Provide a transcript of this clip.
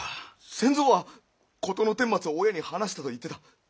仙蔵は事のてん末を親に話したと言ってた。